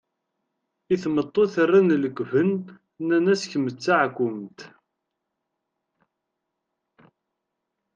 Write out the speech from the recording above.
I tmeṭṭut rran lekben nnan-as kemm d taɛkumt.